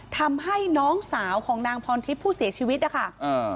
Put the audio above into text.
ทำให้น้องสาวของนางพรทิพย์ผู้เสียชีวิตนะคะอ่า